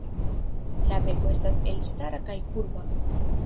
La beko estas elstara kaj kurba.